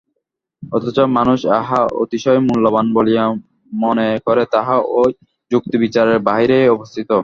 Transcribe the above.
অথচ মানুষ যাহা অতিশয় মূল্যবান বলিয়া মনে করে, তাহা ঐ যুক্তিবিচারের বাহিরেই অবস্থিত।